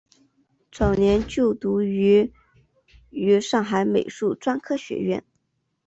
早年就读于于上海美术专科学校。